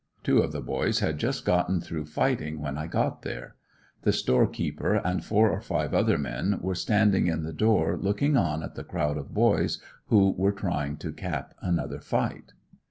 Two of the boys had just gotten through fighting when I got there; the store keeper and four or five other men were standing in the door looking on at the crowd of boys who were trying to cap another fight.